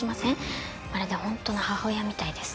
まるで本当の母親みたいです。